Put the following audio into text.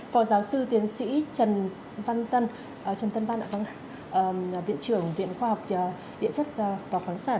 phó giáo sư tiến sĩ trần văn tân viện trưởng viện khoa học địa chất và khoáng sản